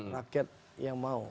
rakyat yang mau